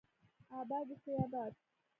اباد اوسي اباد